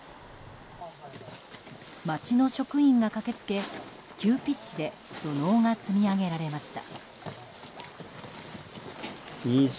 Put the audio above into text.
町の職員が駆け付け急ピッチで土のうが積み上げられました。